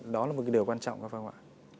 đó là một cái điều quan trọng đúng không ạ